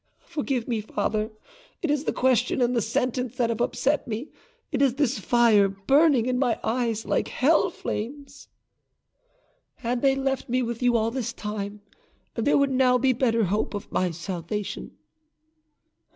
Forgive me, father; it is the question and the sentence that have upset me it is this fire burning in my eyes like hell flames. "Had they left me with you all this time, there would now be better hope of my salvation."